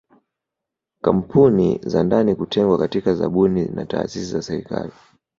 Kampuni za ndani kutengwa katika zabuni na taasisi za serikali